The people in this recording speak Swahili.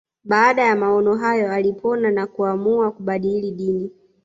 Baada ya maono hayo alipona na kuamua kubadili dini